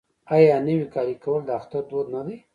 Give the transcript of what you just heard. آیا نوی کالی کول د اختر دود نه دی؟